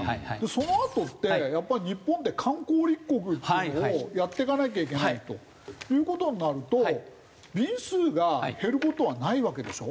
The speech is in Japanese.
そのあとってやっぱり日本って観光立国っていうのをやっていかなきゃいけないという事になると便数が減る事はないわけでしょ？